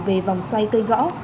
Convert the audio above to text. về vòng xoay cây gõ